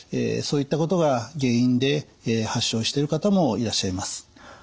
そういったことが原因で発症してる方もいらっしゃいます。